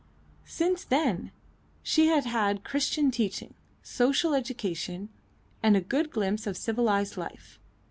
Since then she had had Christian teaching, social education, and a good glimpse of civilised life.